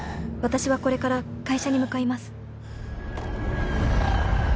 「私はこれから会社に向かいます」